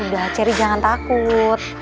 udah cherry jangan takut